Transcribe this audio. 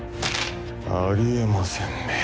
あり得ませんね。